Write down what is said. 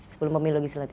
sebelum pemilogi selatih